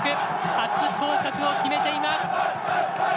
初昇格を決めています。